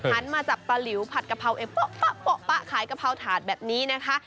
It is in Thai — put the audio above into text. มาจับปลาหลิวผัดกะเพราเองโป๊ะขายกะเพราถาดแบบนี้นะคะ